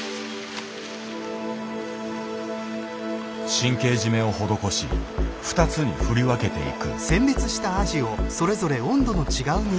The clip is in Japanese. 神経締めを施し２つに振り分けていく。